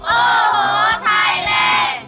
โอ้โหใครเล่น